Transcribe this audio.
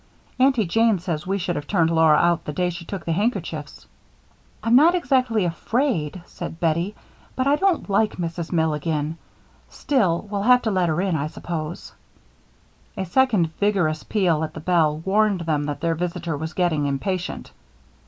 Aunty Jane says we should have turned Laura out the day she took the handkerchiefs." "I'm not exactly afraid," said Bettie, "but I don't like Mrs. Milligan. Still, we'll have to let her in, I suppose." A second vigorous peal at the bell warned them that their visitor was getting impatient.